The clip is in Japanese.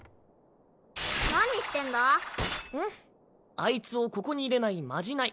あいつをここに入れないまじない。